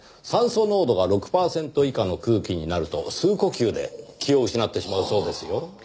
酸素濃度が６パーセント以下の空気になると数呼吸で気を失ってしまうそうですよ。